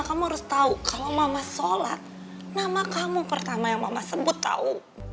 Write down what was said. kamu harus tahu kalau mama sholat nama kamu pertama yang mama sebut tahu